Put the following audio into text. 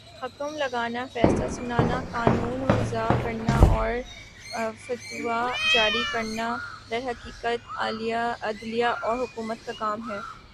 حکم لگانا، فیصلہ سنانا، قانون وضع کرنا اورفتویٰ جاری کرنا درحقیقت، عدلیہ اور حکومت کا کام ہے